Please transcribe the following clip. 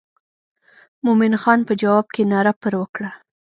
مومن خان په جواب کې ناره پر وکړه.